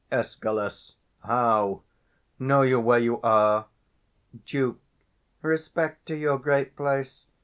Escal. How! know you where you are? Duke. Respect to your great place!